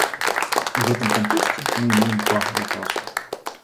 И в этом контексте мы имеем два вопроса.